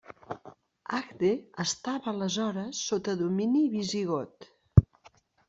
Agde estava aleshores sota domini visigot.